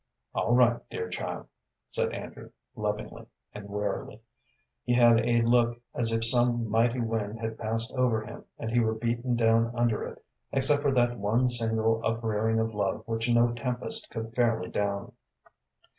"All right, dear child," said Andrew, lovingly and wearily. He had a look as if some mighty wind had passed over him and he were beaten down under it, except for that one single uprearing of love which no tempest could fairly down.